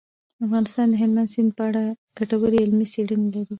افغانستان د هلمند سیند په اړه ګټورې علمي څېړنې لري.